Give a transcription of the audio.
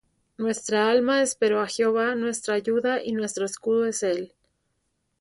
Nuestra alma esperó á Jehová; Nuestra ayuda y nuestro escudo es él.